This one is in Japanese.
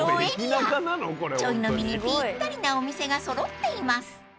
［ちょい飲みにぴったりなお店が揃っています］